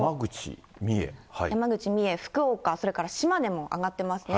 山口、三重、福岡、それから島根も上がってますね。